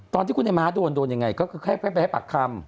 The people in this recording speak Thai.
ตอนที่คุณให้มาร์ทโดนยังไงเค้าไปให้ปากคำ